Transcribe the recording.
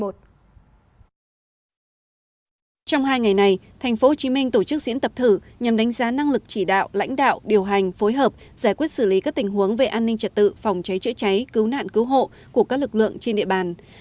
trong hai ngày này tp hcm tổ chức diễn tập thử nhằm đánh giá năng lực chỉ đạo lãnh đạo điều hành phối hợp giải quyết xử lý các tình huống về an ninh trật tự phòng cháy chữa cháy cứu nạn cứu hộ của các lực lượng trên địa bàn